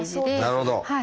なるほど！